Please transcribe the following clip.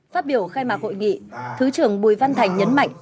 phát biểu khai mạc hội nghị thứ trưởng bùi văn thành nhấn mạnh